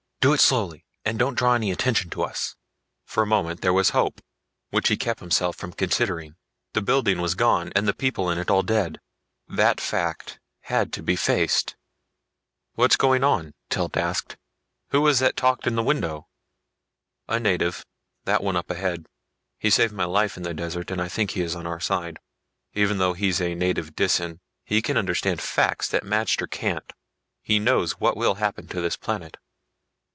"Do it slowly and don't draw any attention to us." For a moment there was hope, which he kept himself from considering. The building was gone, and the people in it all dead. That fact had to be faced. "What's going on?" Telt asked. "Who was that talked in the window?" "A native that one up ahead. He saved my life in the desert, and I think he is on our side. Even though he's a native Disan, he can understand facts that the magter can't. He knows what will happen to this planet."